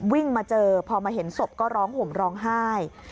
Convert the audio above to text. วิ่งมาเจอพอมาเห็นศพก็ร้องห่มร้องไห้